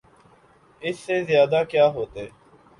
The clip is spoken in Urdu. اس سے زیادہ کیا ہوتے؟